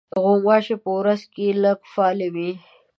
غوماشې په ورځ کې لږ فعالې وي.